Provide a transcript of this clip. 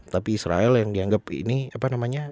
tapi israel yang dianggap ini apa namanya